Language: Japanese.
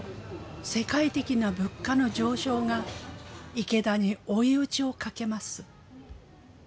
世界的な物価の上昇が池田に追い打ちをかけます。